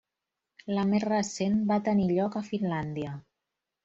La més recent va tenir lloc a Finlàndia.